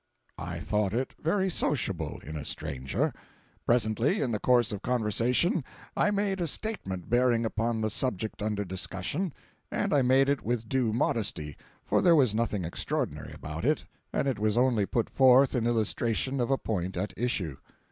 I thought it very sociable in a stranger. Presently, in the course of conversation, I made a statement bearing upon the subject under discussion—and I made it with due modesty, for there was nothing extraordinary about it, and it was only put forth in illustration of a point at issue.